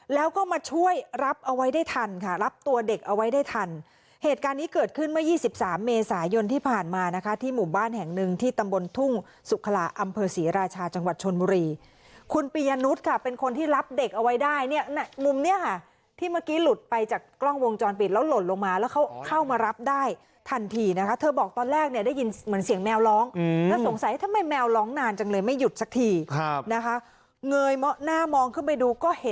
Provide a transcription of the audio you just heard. แล้วก็มาช่วยรับเอาไว้ได้ทันค่ะรับตัวเด็กเอาไว้ได้ทันเหตุการณ์นี้เกิดขึ้นเมื่อ๒๓เมษายนที่ผ่านมานะคะที่หมู่บ้านแห่งนึงที่ตำบลทุ่งสุขลาอำเภอศรีราชาจังหวัดชนมุรีคุณปียนุษย์ค่ะเป็นคนที่รับเด็กเอาไว้ได้เนี่ยมุมเนี่ยค่ะที่เมื่อกี้หลุดไปจากกล้องวงจรปิดแล้วหล่นลงมาแล้วเข้